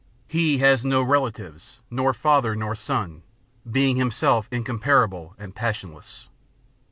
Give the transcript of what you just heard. He has no relatives, nor father nor son, being himself incomparable and passionless.